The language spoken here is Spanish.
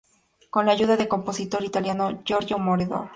Con la ayuda del compositor italiano Giorgio Moroder.